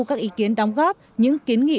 các ý kiến đóng góp những kiến nghị